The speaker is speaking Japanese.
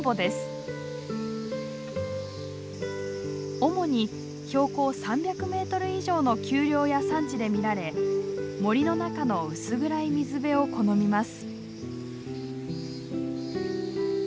主に標高３００メートル以上の丘陵や山地で見られ森の中の薄暗い水辺を好みます。